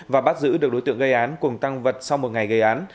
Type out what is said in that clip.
và bắt giữ được đối tượng gây án cùng tăng vật sau một ngày gây án